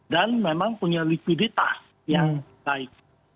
dan memang punya likuiditas yang baik